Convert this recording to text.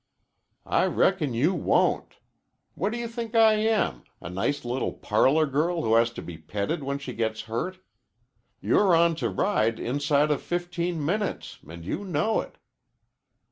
"I reckon you won't. What do you think I am a nice little parlor girl who has to be petted when she gets hurt? You're on to ride inside of fifteen minutes and you know it."